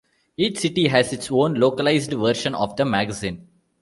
Each city has its own localised version of the magazine.